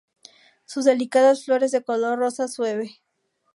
Sus delicadas flores de color rosa sueve.